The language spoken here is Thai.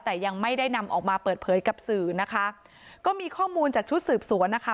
แต่ยังไม่ได้นำออกมาเปิดเผยกับสื่อนะคะก็มีข้อมูลจากชุดสืบสวนนะคะ